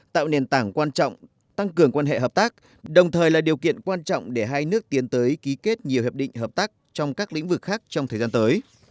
tạo nền tảng quan trọng tăng cường quan hệ hợp tác đồng thời là điều kiện quan trọng để hai nước tiến tới ký kết nhiều hiệp định hợp tác trong các lĩnh vực khác trong thời gian tới